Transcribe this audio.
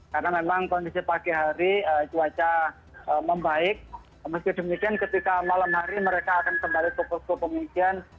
karena memang kondisi pagi hari cuaca membaik meski demikian ketika malam hari mereka akan kembali ke posko penguncian